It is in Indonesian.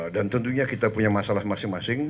dan tentunya kita punya masalah masing masing